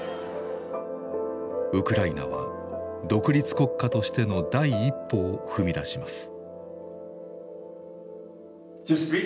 ウクライナは独立国家としての第一歩を踏み出します。